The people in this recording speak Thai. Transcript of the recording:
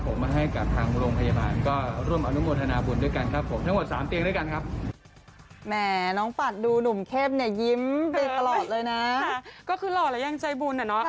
ผมมาให้กับทางโรงพยาบาลก็ร่วมอนุโมทนาบุญด้วยกันครับผมทั้งหมดสามเตียงด้วยกันครับ